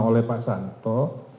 oleh pak santo